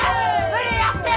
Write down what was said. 無理やって！